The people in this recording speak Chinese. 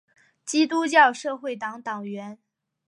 基督教社会党党员。